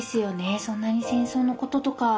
そんなに戦争のこととか。